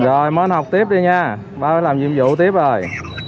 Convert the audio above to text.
rồi mấy anh học tiếp đi nha ba phải làm nhiệm vụ tiếp rồi